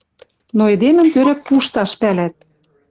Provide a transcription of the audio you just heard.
Но эдемӹм тӧрӧк пушташ — пӓлӓт.